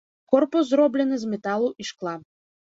Корпус зроблены з металу і шкла.